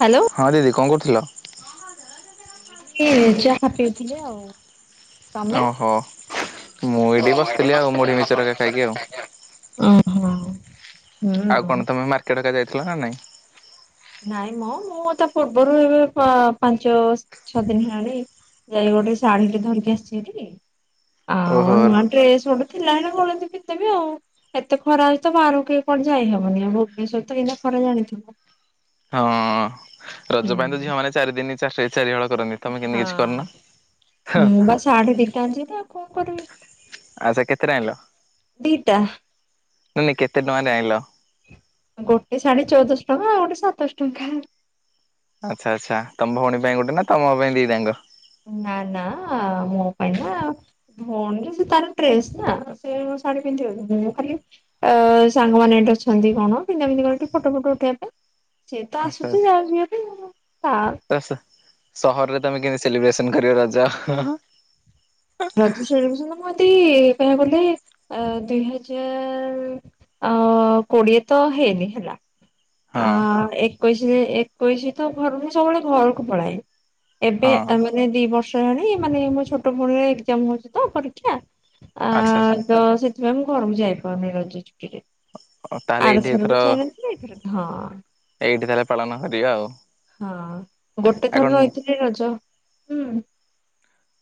Hello. ହଁ ଦିଦି କଣ କରୁଥିଲ? ହଁ ହଉ ଦ। [inaudible] ଚାହା ପିଉଥିଲେ ଆଉ। ତମେ? ଓହୋ ମୁଁ ଏଇଠି ବସିଥିଲି ଆଉ ମୁଢ଼ି ମିଚର ଏକା ଖାଇକି ଆଉ। ଓହୋ। ଆଉ ହୁଁ। କଣ ତମେ ମାର୍କେଟ ହେକା ଯାଇଥିଲ ନା ନାଇଁ। ନାଇଁ ମୋ ମୁଁ ତ ପୂର୍ବରୁ ଏବେ ପାଞ୍ଚ ଛଅ ଦିନ ହେଲାଣି। ଯାଇ ଗୋଟେ ଶାଢୀ ଟେ ଧରିକି ଆସିିଛି ହେରି ଆଉ ଓହୋ। ନୂଆ ଡ୍ରେସ ଗୋଟେ। ଥିଲା ହେରା ଗଳେଇକି ପିନ୍ଧି ଦେବି ଆଉ। ଏତେ ଖରା ଅଛି ତ ବାହାରକୁ କେହି କଣ ଯାଇ ହବନି ଭୁବନେଶ୍ୱର ତ କେଇଁତିକା ଖରା ଜାଣିଥିବ। ହଁ ରଜ ହୁଁ। ପାଇଁ ତ ଝିଅ ମାନେ ଚାରି ଦିନ ହିଁ ଚାରି ଚାରି ହଳ କରନ୍ତି ତମେ କେମିତି କିଛି କରିନ। ହ ଶାଢ଼ି ଦିଟା ଆଣିଛି ତ ଆଉ କଣ କରିବି। ଆଉ ସେ କେତେ ଟା ଆଣିଲ। ଦିଟା। ନାଇଁ ନାଇଁ କେତେ ଟଙ୍କାରେ ଆଣିଲ। ଗୋଟେ ଶାଢୀ ଚଉଦଶହ ଟଙ୍କା ଆଉ ଗୋଟେ ସାତଶହ ଟଙ୍କା ଆଚ୍ଛା ଆଚ୍ଛା ତମ ଭଉଣୀ ପାଇଁ ଗୋଟେ ନା ତମ ପାଇଁ ଦି ଟାଙ୍କ ନା ନା ମୁଁ ପାଇଁ ନା। ଭଉଣୀରେ ସେ ତାର ଡ୍ରେସ ନା ସେୋ ଶାଢୀ ପିନ୍ଧିବା ଖାଲି ଅ ସାଙ୍ଗମାନେ ଏଠି ଅଛନ୍ତି କଣ ପିନ୍ଧା ପିନ୍ଧିଠି ଫଟୋ ଫଟ ଉଠେଇବା ପାଇଁ। ସେିଏ ତ ଆଚ୍ଛା ଆସୁଛି ଆଚ୍ଛା। ଯାହା ଯିବା ପାଇଁ [unintelligible] ସହରରେ ତମେ କେମିତି ସେଲିବ୍ରେସନ କର ରଜ। ରଜ ଶଭୂଷଣ ମଦ କହିବାକୁ ଗଲେ ଦୁଇ ହଜାର [unintelligible] ଅ କୋଡିଏ ତ ହେଇନି ଆ ଏକୋଇଶି ଏକୋଇଶି ତ ଘର ସବୁବେଳେ ଘରକୁ ପଳାଏ। ଏବେ ହଁ। ମାନେ ଦି ବର୍ଷ ହେଲାଣି ମାନେ ମୋ ଛୋଟ ଭଉଣୀ ର ଏକଜାମ ହଉଛି ତ ପରୀକ୍ଷା। ଆ ଆଚ୍ଛା ଆଚ୍ଛା ତ ସେଥିପାଇଁ ମୁଁ ଘରକୁ ଯାଇପାରୁନି ଛୁଟିରେ। ତାହେଲେ ଆଡ ଏଇଠି ସର ଏଥର ବି ଚାାଇନା ନା ଏଥର ହଁ [unintelligible] ଏଇଠି ତାହେଲେ ପାଳନ କରିବା ଆଉ। ହଁ ଗୋଟେ ଆଉ ଥର କଣ ରହିଥିଲି ରଜ ହୁଁ।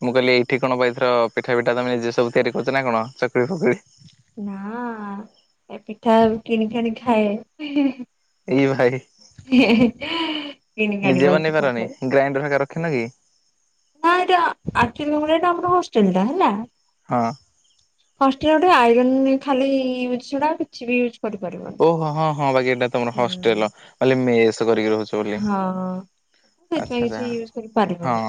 ମୁଁ କହିଲି ଏଇଠି କଣଥର ପିଠା ପିଠା ତମେ ନିଜେ ସବୁ ତିଆରି କରଛ ନା କଣ ଚକୁଳି ଫକୁଳି। ନା ଏ ପିଠା କିଣିିକି ଆଣି ଖାଏ। ଏଇ ଭାଇ କିଣିକି ଆଣି ନିଜେ ବାସ୍ ବନେଇ ପିଠା ପାରନି ଖାଏ। ଗ୍ରାଇଣ୍ଡର ଫକା ରଖିନ କି? ନା ଏଇଟା ଆକଚୁଆଳି ଏଟା ଆମର ହଷ୍ଟେଲ ଟା ହେଲା। ହଁ। ହଷ୍ଟ ଗୋଟେ ଆଇରନ୍ ଖାଲି ୟୁଜ୍ ୁଡା କିଛି ବି ୟୁଜ୍ କରିପାରିବନ। ଓହୋ ହଁ ହଁ ବାକି ଏଇଟା ତମର ହଷ୍ଟେଲ ମୁଁ ଭାବିଲି ମେସ୍ କରିକି ରହୁଛି। ହଁ ସେଥିପାଇଁ ଆଚ୍ଛା କିଛି ୟୁଜ ହଁ କରିପାରିବନି।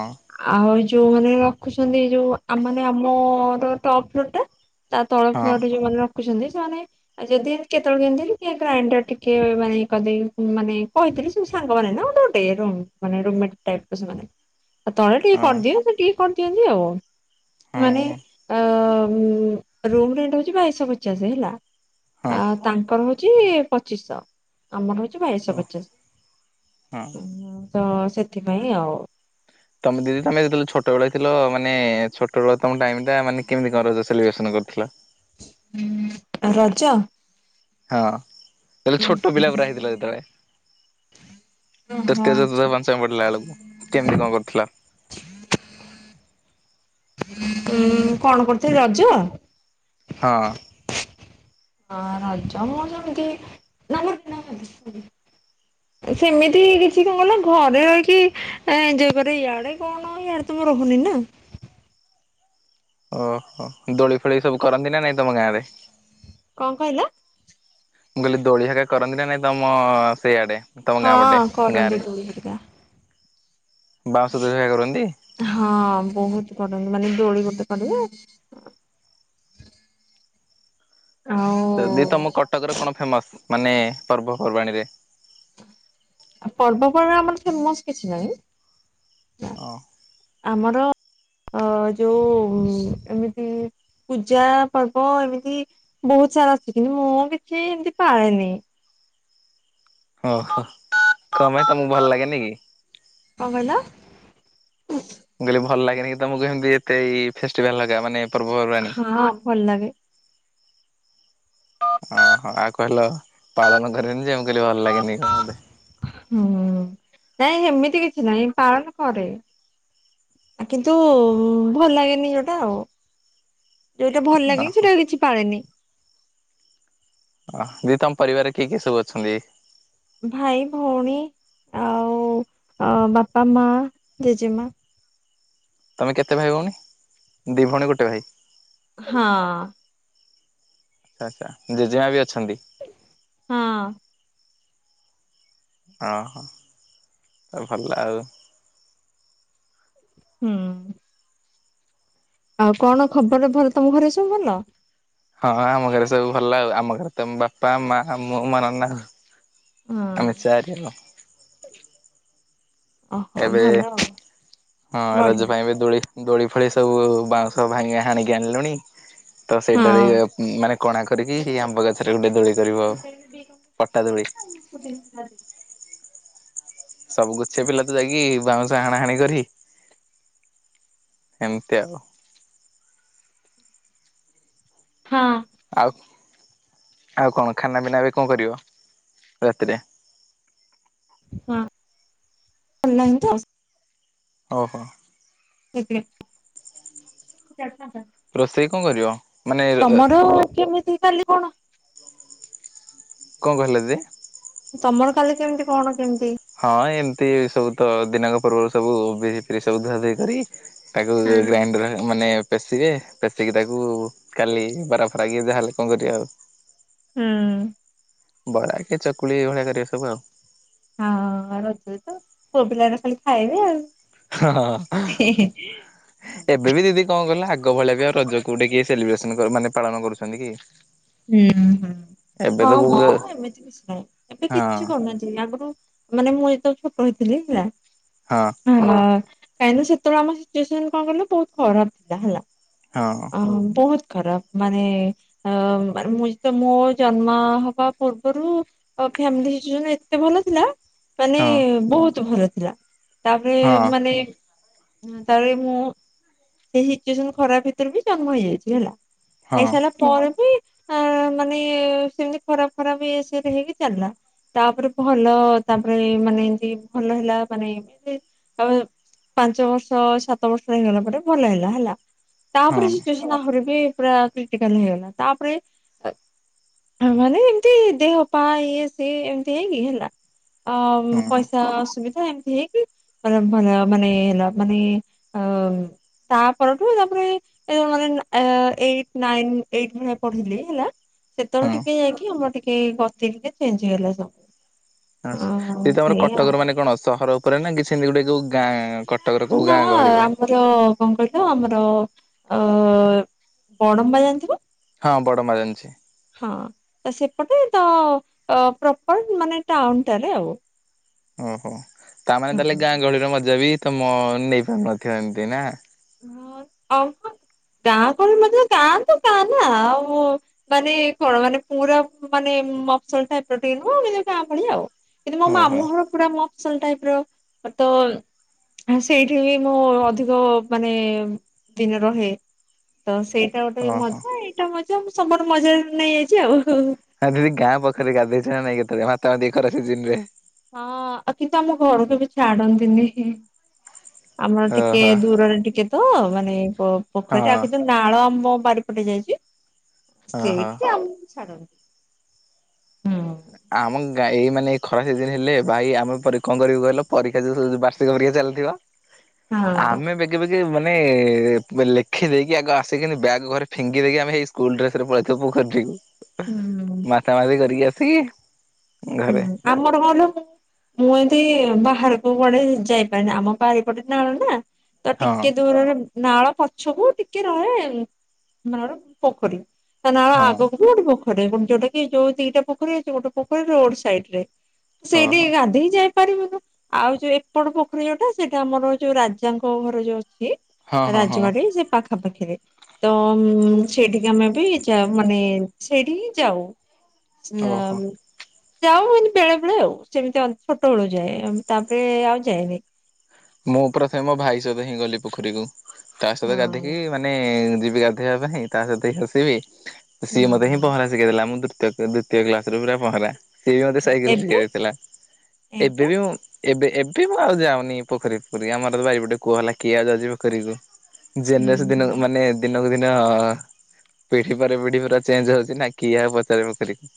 ଆଉ ଯୋଉ ମାନେ ରଖୁଛନ୍ତି ଯୋଉ ମାନେ ଆମର ଟପ୍ ଫ୍ଲୋର ଟା ତା ତଳ ହଁ ଫଟ ଯୋଉମାନେ ରଖୁଛନ୍ତି ସେମାନେ [unintelligible] ଆଉ ଯଦି କେତେବେଳଳେ କିଣିଥିଲି କି ଗ୍ରାଇଣ୍ଡର ଟିକେ ମାନେ କହିଦେଇ ମାନେ କହିଥିଲି [unintelligible] ସାଙ୍ଗ ମମାନେ ନା ଗୋଟେ ଗୋଟୋନ ସେ ଆଉ ତଳେ ଟିକେ ହଁ କରିଦିଅ [unintelligible] ଟିକେ କରିଦିଅନ୍ତି ଆଉ ସେ ମାନେ ହଁ ରୁମ ରେଟ ହଉଛି ବାଇଶହ ପଚାଶ ହେଲା ଆ ହଁ ତାଙ୍କର ହ ହଛି ପଚିଶଶହ ଆମର ହଉଛି ଓ ବାଇଶହ ପଚାଶ। ହଁ। ହଁ ତ ସେଥିପାଇଁ ଆଉ। ତମେ ଦିଦି ତମେ ଯେତେବେଳେ ଛୋଟବେେ ଥିଲ ମାନେ ଛୋଟବେଳ ତମ ଟାଇମ ଟା ମାନେ କେମିତି କଣ ସେଲିବ୍ରେସନ କରିଥିଲ। ରଜ। ହଁ ଯେତେବେଳେ ଛୋଟ ପିଲା ପୁରା ହେଇଥିଲା ଯେତେବେଳେ। ଓହୋ ତୃତୀୟ ଚ ଆଚ୍ଛା। ପାଞ୍ଚମ ପଡିଲା ବେଳକୁ କେମିତି କଣ କରୁଥିଲ। ଉଁ କଣ କରୁଥିଲି ରଜ? ହଁ। ହଁ ରଜା ମମତି ନର [inaudible] ସେମିତି କିଛି କଣ ଗଲା ଘରେ ର କିି ଏ ଯପାରେ ଇଆଡେ କଣ [inaudible] ହଁ ୟଆଡ ତ ମୁଁ ରହୁନି ନା। ଓହୋ ଦୋଳି ଫୋଳି ସବୁ କରନ୍ତି ନା ନାଇଁ ତମ ଗାଁ ରେ? କଣ କହିଲ? ମୁ କହିଲି ଦୋଳି ଫୋଳି କରନ୍ତି ନା ନାଇଁ ତମ ସେଇଆଡେ ତମ ଗାଁ ପଟେ ହଁ ଗାଁ କରନ୍ତି ରେ। ଦୋଳି ହେରିକା ବାଉଁଶ ଦୋଳି ସୋ କରନ୍ତି? ହଁ ବହୁତ କରନ୍ତି ମାନେ ଦୋଳି ଗୋଟେ କରିବେ ଆଉ ଯଦି ତମ କଟକରେ କଣ ଫେମସ ମାନେ ପର୍ବପର୍ବାଣୀ ରେ? ପର୍ବପର୍ବାଣି ଆମର ଫେମସ୍ କିଛି ନହିଁ। ଅ ଆମର ଅ ଯୋଉ ଏମିତି, ପୂଜା ପର୍ବ ଏମିତି ବହୁତ ସାରା ଅଛି। କିନ୍ତୁ ମୁଁ କିଛି ଏମିତି ପାଳେନି। ଓହୋ। କଣ ପାଇ ତମକୁ ଭଲ ଲାଗେନି କି? କଣ କହିଲ? ମୁଁ କହିଲି ଭଲ ଲାଗେନି କି ତମକୁ କେମିତି ଏତେ ଏଇ ଫେଷ୍ଟିଭାଲ ହକା? ହଁ, ଭଲ ଲାଗେ। ଓହୋ। ଆଉ କହିଲ ପାଳନ କରେନି ଯେ ମୁଁ କହିଲି ଭଲ ଲାଗେନି କଣ ବୋଧେ। ହୁଁ। ନାଇଁ ହେମିତି କିଛି ନାଇଁ ପାଳନ କରେ। କିନ୍ତୁ ଭଲ ଲାଗେନି ଗୋଟେ ଆଉ। ଯୋଉଟା ଭଲ ଓହୋ ଲାଗେ ଓହୋ ସେଟା କିଛି ପାଳେନି। ଅ ଦିଦି ତମ ପରିବାରରେ କିଏ କିଏ ସବୁ ଅଛନ୍ତି? ଭାଇ, ଭଉଣୀ, ଆଉ ବାପା, ମା, ଜେଜେମା। ତୁମେ କେତେ ଭାଇ, ଭଉଣୀ ଦି ଭଉଣୀ, ଗୋଟେ ଭାଇ? ହଁ। ଆଚ୍ଛା ଜେଜେଆ ବି ଅଛନ୍ତି? ହଁ। ଅହ ଅ ଭଲ ଆଉ। ହୁଁ। ଆଉ କଣ ଖବର ଭଲ ତମ ଘରେ ସବୁ ଭଲ? ହଁ, ହଁ ଆମ ଘରେ ସବୁ ଭଲ ଆଉ। ଆମ ଘରେ ତ ବାପା, ମା, ମୁଁ, ମ ନନା ଆଉ। ହଁ ଆମେ ଚାରି। ଓହୋ ଏବେ ଭଲ ଆଉ ହଁ ବଢିଆ। ରଜ ପାଇଁ ବି ଦୋଳି ଦୋଳି ଫଳି ସବୁ ବାଉଁଶ ଭାଙ୍ଗି ହାଣିକି ଆଣିଲୁଣି। ତ ହଁ ସେଇଟାରେ ମାନେ କଣା କରିକି ସେ ହଁ ଆମ୍ବ ଗଛରେ ଗୋଟେ ଦୋଳି କରିବୁ ଆଉ। ପଟାଦୁଳି। [unintelligible] ସବୁ ଗୋଛେ ପିଲା ତ ଯାଇକି ବାଉଁଶ ହାଣାହାଣି କରି ଏମିତି ଆଉ। ହଁ। ଆଉ, ଆଉ କଣ ଖାନା ପିନା ଏବେ କଣ କରିବ ରାତିରେ? [unintelligible] ଓହୋ! [unintelligible] ରୋଷେଇ କଣ କରିବ? ମାନେ ତମର କେମିତି କାଲି କଣ? କଣ କହିଲ ଦିଦି? ତମର କାଲି କେମିତି କଣ କେମିତି? ହଁ ଏମିତି ସବୁ ତ ଦିନକ ପର୍ବରୁ ସବୁ ବିରି ଫିରି ସବୁ ଧୁଆ ଧୁଇ କରି- ତାକୁ ହଁ ଗ୍ରାଇଣ୍ଡର ମାନେ ପେଷିବେ। ପେଶିକି ତାକୁ କାଲି ବରା ଫରା କି ଯାହାହେଲେ କଣ କରିବା ଆଉ। ହୁଁ। ବରା କି ଚକୁଳି ଏଭଳିଆ କରିବା ସବୁ ଆଉ। ହଁ ରଜ ତ ପୁଅ ପିଲାତ ଖାଲି ଖାଇବେ ଆଉ। ହଁ ହଁ। ଏବେ ବି ଦିଦି କଣ କହିଲ ଆଗ ଭଳିଆ ବି ଆଉ ରଜ କୋଉଠି କିଏ ସେଲିବ୍ରେସନ ମାନେ ପାଳନ କରୁଛନ୍ତି କି? ହୁଁ ହୁଁ ଏବେ ହଁ ତ କୋଉ ମ ଏମିତି କିଛି ନାହିଁ ଏବେ ହଁ କିଛି କରୁନାହାନ୍ତି ଆଗରୁ ମାନେ ମୁଁ ଏତ ଛୋଟ ହେଇଥିଲି ହେଲା ହଁ। ହଁ। କାହିଁକି ନା ସେତେବେଳେ ଆମ ସିଚୁଏସନ କଣ କହିଲ ବହୁତ ଖରାପ ଥିଲା ହେଲା। ହଁ। ଅ ବହୁତ ଖରାପ ମାନେ ଅ ମାନେ ମୁଁ ତ ମୋ ଜନ୍ମ ହବା ପୂର୍ବରୁ ଫ୍ୟାମିଲି ସିଚୁଏସନ ଏତେ ଭଲ ଥିଲା ମାନେ ହଁ ବହୁତ ଭଲ ଥିଲା, ତାପରେ ହଁ ମାନେ ତା ପରେ ମୁଁ ସେଇ ସିଚୁଏସନ ଖରାପ ଭିତରେ ବି ଜନ୍ମ ହେଇଯାଇଥିଲି ହେଲା। ହଁ ହେଇସାରିଲା ପରେ ବି ଆ ମାନେ ସେମିତି ଖରାପ ଖରାପ ଇଏ ସେରେ ହେଇକି ଚାଲିଲା। ତାପରେ ଭଲ, ତାପରେ ମାନେ ଏମତି ଭଲ ହେଲା ମାନେ ପାଞ୍ଚ ବର୍ଷ ସାତ ବର୍ଷ ହେଇଗଲା ପରେ ଭଲ ହେଲା ହେଲା। ହଁ ହଁ ତାପରେ ସିଚୁସନ ଆହୁରି ବି ପୁରା କ୍ରିଟିକାଲ ହେଇଗଲା, ତାପରେ ମାନେ ଏମତି ଦେହ ପା ଇଏ ସିଏ ଏମତି ହେଇକି ହେଲା ଅ ପଇସା ଶା ଆ ସୁବିଧା ଏମିତି ହେଇକି ମାନେ ଭଲ ମାନେ ମାନେ ଅ ତାପଠୁ, ତାପରେ [unintelligible] ଏଇ ନାଇ ଏଇଟି ନାଇନି ପଢିଲି ହେଲା, ସେତେବେଳେ ହଁ। ଟିକେ ଯାଇକି ଆମର ଟିକେ ଗତି ଟିକେ ଚେଞ୍ଜ ହେଇଗଲା ସବୁ। ଆ ଯଦି ଅ ତମର ସେଇଆ କଟକର ଆଉ ମାନେ କଣ ସହର ଉପରେ ନା କିଛି ସେମିତି ଗୋଟେ କୋଉ ଗାଁ କଟକର କୋଉ ନା ଗାଁ ଗହଳି ଭଳି? ଆମର କଣ କହଲ ଆମର ଅ ବଡମ୍ବା ଜାଣିଥିବ? ହଁ ବଡମ୍ୱା ଜାଣିଛି। ହଁ ତ ସେପଟେ ତ ପ୍ରପର ମାନେ ଟାଉନ ଟାରେ ଆଉ ଓହୋ ତାମାନେ ହୁଁ ତାହେଲେ ହୁଁ। ଗାଁ ଗହଳିର ମଜା ବି ତମ ନେଇ ପାରୁନଥିବ ଏମିତି ନା? ହ ଆଉ ତ ଗାଁ କହଳି ମତେ ଗାଁ ତ ଗାଁ ନା ଆଉ ମାନେ କଣ ମାନେ ପୁରା ମାନେ ମପସଲ ଟାଇପର ଟିକେ ନୁହ ଏମିତି ଗାଁ ଭଳି ଆଉ କିନ୍ତୁ ମୋ ଓହୋ ମାମୁଁ ହର ପୁରା ମୋ ଫସଲ ଟାଇପ ର, ତ ସେଇଠି ବି ମୁଁ ଅଧିକ ମାନେ ଦିନେ ରହେ, ତ ସେଇଟା ଗୋଟେ ଓହୋ ମଜା। ସେଟା ମଜା ମୁଁ ସବୁ ଆଡ଼ୁ ମଜାରେ ନେଇଯାଇଛି ଆଉ ଉ ହଁ ଦିଦି ଗାଁ ପୋଖରୀରେ ଗାଧୋଇଛ ନା ନାଇ କେତେବେଳେ, ମାତା ମାତି ଖରା ସିିଜିନରେ ହଁ କିନ୍ତୁ ଆମ ଘର କେବି ଛାଡନ୍ତିନି। ଆମର ଟିକେ ଓହୋ ଦୂରରେ ଟିକେ ତ, ମାନେ ପୋଖରୀ ଟ ହଁ ଆଗ ଦ ନାଳ ଆମ ବାରିପଟେ ଯାଇଛି, ଓହୋ ସେଇଠି ଆମ ଛାଡ଼ନ୍ତୀ। ହୁଁ। ଆମ ଗାଈ ମାନେ ଇ ଖରା ସିଜିନ ହେଲେ ଭାଇ ଆମେ କଣ କରିବୁକହିଲ? ପରୀକ୍ଷା ଯୋଉ ବା [unintelligible] ଚାଲିଥିବ, ହଁ। ଆମେ ବି କେବେ କି ମାନେ ଲେଖି ଦେଇକି ଆଗ ଆସିକି ନି ବ୍ୟାଗ୍ ଘରେ ଫିଙ୍ଗି ଦେଇକି ଆମେ ହେଇ ସ୍କୁଲ ଡ୍ରେସ ରେ ପଳେଇଥିବୁ ପୋଖରୀଠିକି, ହୁଁ ମାତା ମାତି କରିକି ଆସିକି ହୁଁ ଘରେ ଆମର ଗଲୁ ମୁଁ ଏମିତି ବାହାରକୁ କୁଆଡେ ଯାଇପାରେନି, ଆମ ବାରିପଟେ ନାଳ ନା। ତ ହଁ ଟିକେ ଦୂରରେ ନାଳ ପଛକୁ ଟିକେ ରହେ, ନାଳ ପୋଖରୀ ତା ନାଳ ହଁ ଆଗକୁ ଗୋଟ ପୋଖରି, ଯୋଉଟା କି ଯୋଉ ଦିଟା ପୋଖୀ ଅଛି ଗୋଟ ପୋଖରରେ ରୋ ଡ଼ ସାଇଟରେ ସେଇଠି ଓହୋ ଗାଧେଇ ଯାଏ ପାରିବୁ ଆଉ ଯୋଉ ଏପଟ ପୋଖରୀ ଯୋଉଟା ସେଇଟା ଆମର ଯୋଉ ରାଜାଙ୍କ ଘର ଯୋଉ ଅଛି ହଁ ହଁ ହଁ ରାଜମାଡ଼ ସେ ପାଖ ପାଖାପାଖିରେ ତ ମ ସେଇଠିକି ଆମେ ବି ମାନେ ସେଇଠି ହିଁ ଯାଉ। ଓହୋ [unintelligible] ଯାଉ ଏମିତି ବେଳେ ବେଳେ ଆଉ, ସେମିତି ଛୋଟ ବେଳୁ ଯାଏ ତାପରେ ଆଉ ଯାଇନି। ମୁଁ ପ୍ରଥମେ ମୋ ଭାଇ ସହିତ ହିଁ ଗଲି ପୋଖରୀକୁ, ତା ସହିତ ଗାଧିକି ହଁ ମାନେ ଯିବି ଆ ପାଇଁ ତା ସହିତ ହ ହସିବି, ହୁଁ ସିଏ ମତେିଁ ପହଁରା ଶିଖାଇ ଦେଲା ମୁଁ ଦିତୀୟ ଦ୍ୱିତୀୟ କ୍ଲାସୁ ପୁରା ପହଁରା ସିଏ ବି ମୋତେ ହୁଁ। ସାଇକେଲ ଏବେ ଶିଖେଇ ଦେଇଥିଲା, ଏବେ ବି ମୁଁ ଏବେ ଏବେ ମୁଁ ଆଉ ଯାଉନି। ପୋଖରୀ ପୋଖରୀ ଆମର ତ ବାରିପଟେ କୁଅ ହେଲା କିଏ ଆଉ ଯାଉଚି ପୋଖରୀକୁୁ, ହୁଁ ଯେନେ ସେ ଦିନ ହୁଁ ମାନେ ଦିନକୁ ଦିନ ପିଢି ପରେ ପିଢି ପରା ଚେଞ୍ଜ୍ ହଉଚି ନା କିଏ ପଚାରେ ପୋଖରୀ କି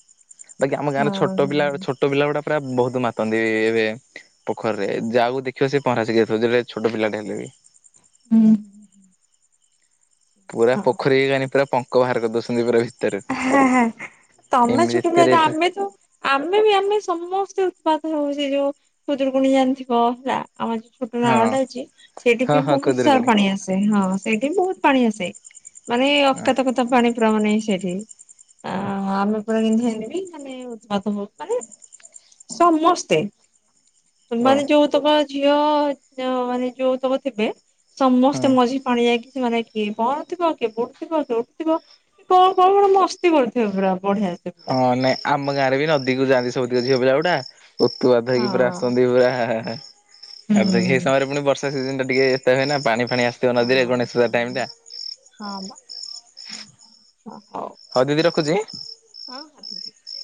ବାକି ଆମ ହଁ ଗାଁରେ ଛୋଟ ପିଲା ଏବେ ହଁ। ଛୋ ଛୋଟ ପିଲା ଗୁଡା ପୁରା ବହୁତ ମାତନ୍ତି ଏ ଏବେ ପୋଖରୀରେ ଯାହାକୁ ଦେ ଖିବ ସେ ପହଁରା ଶିଖିଯାଇଥିବ ଯେତେ ଛୋଟ ପିଲାଟେ ହେଲେ ବି। ହୁଁ। ପୁର ପୋଖରୀ ମାନେ ପୁରା ପଙ୍କ ବାହାର କରି ଦଉଛନ୍ତି ପୁରା ଭି ହେଁ ହେଁ ତମେ ଛୋଟ ଏତେ ପିଲାଟେ ରେଟ୍ ଆମେ ତ ଆମେ ବି ଆମେ ସମସ୍ତେ ଉତ୍ପାତ ହଉ ସେ ଯୋଉ ଖୁଦୁରୁକୁୁଣୀ ଜାଣିଥିବ ହେଲା ଆମ ଛୋଟ ହଁ ନାଳଟେ ଅଛି ସେଇଠି ହଁ ବି ହଁ ବହୁତ ସାରା ଖୁଦୁରୁକୁଣୀ ପାଣି ଆସେ ହଁ ସେଇଠି ବି ବହୁତ ପାଣି ଆସେ। ମାନେ ହଁ ଅକାତ ଅକାତ ପାଣି ପୁରା ମାନେ ସେଇ ଟି ଆ ଆମେ ପୁରା [unintelligible] ହେନେବି ମାନେ ଉତ୍ପାତ ହଉ ମାନେ ସମସ୍ତେ, ଓ ମାନେ ଯୋଉ ତକ ଝିଅ ମାନେ ଯୋଉତକ ଥିବେ ହଁ ସମସ୍ତେ ମଝି ପାଣି ଯାଇକି ସେମାନେ କିଏ ପହଁରୁଥିବ କିଏ ବୁଡୁଥିବ କିଏ ଉଠିଥିବ କ କହିବ ଏଟା ମସ୍ତି କରୁଥିବ ପୁରା ବଢିଆ ସେ। ପୁରା ହଁ ନାଇଁ ଆମ ଗାଁରେ ବି ନଦୀକୁ ଯାଆନ୍ତି ସବୁ ତିକ ଝିଅ ପିଲା ଗୁଡ଼ା ଉତୁପାତ ହେଇକି ପୁରା ହଁ। ଆସନ୍ତି ପୁରା ଆ ଗାଧେଇକି ଏ ହୁଁ। ସମୟରେ ପୁଣି ବର୍ଷା ସିଜିନ ଟା ଟିକେ ଏତା ହୁଏ ନା ପାଣି ଫାଣି ଆସେ ହଁ, ହଁ ମ ହଁ ହଉ। ହଉ ଦିଦି ରଖୁଛି। ହଁ ହଁ [unintelligible]